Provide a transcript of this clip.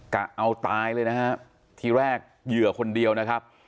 กะเอาตายเลยนะฮะทีแรกเหยื่อคนเดียวนะครับ